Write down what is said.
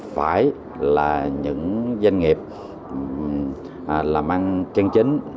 phải là những doanh nghiệp làm ăn chân chính